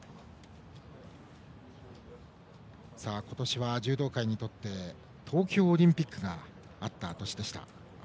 今年は柔道界にとって東京オリンピックがあった年でした。